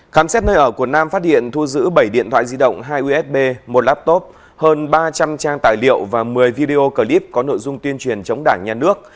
khám xét nơi ở của nam phát hiện thu giữ bảy điện thoại di động hai usb một laptop hơn ba trăm linh trang tài liệu và một mươi video clip có nội dung tuyên truyền chống đảng nhà nước